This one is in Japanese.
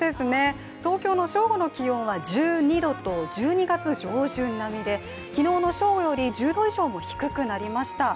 東京の正午の気温は１２度と、１２月上旬並みで、昨日の正午より１０度以上も低くなりました。